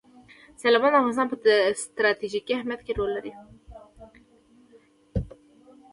سیلابونه د افغانستان په ستراتیژیک اهمیت کې رول لري.